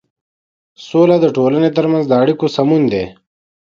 سوله د ټولنې تر منځ د اړيکو سمون دی.